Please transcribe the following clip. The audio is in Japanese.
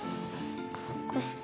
こうして。